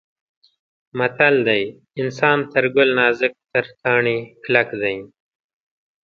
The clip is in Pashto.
متل دی: انسان تر ګل نازک تر کاڼي کلک دی.